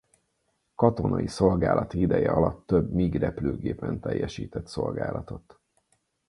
Katonai szolgálati ideje alatt több MiG repülőgépen teljesített szolgálatot.